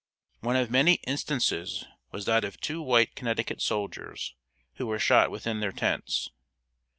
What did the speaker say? One of many instances was that of two white Connecticut soldiers who were shot within their tents.